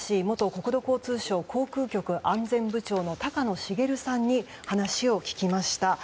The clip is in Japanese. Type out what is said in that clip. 国土交通省航空局安全部長の高野滋さんに話を聞きました。